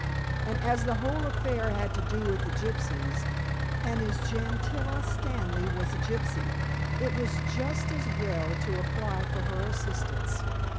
And as the whole affair had to do with the gypsies, and as Gentilla Stanley was a gypsy, it was just as well to apply for her assistance.